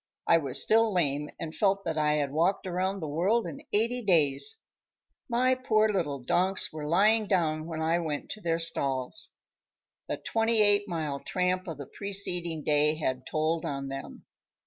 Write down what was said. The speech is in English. I was still lame and felt that I had walked around the world in eighty days. My poor little donks were lying down when I went to their stalls. The twenty eight mile tramp of the preceding day had told on them.